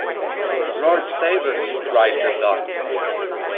“Lord save us!” cried the duck.